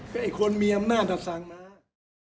ก็ไอ้คนมีอำนาจสั่งมา